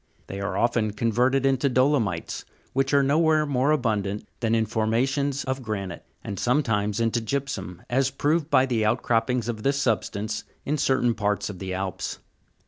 They are often converted into dolomites, which are nowhere more abundant than in formations of granite and sometimes into gypsum, as proved by the out croppings of this substance in certain parts of the Alps.